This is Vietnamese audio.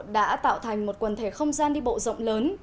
đã tạo thành một quần thể không gian đi bộ rộng lớn